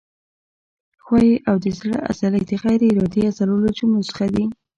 ښویې او د زړه عضلې د غیر ارادي عضلو له جملو څخه دي.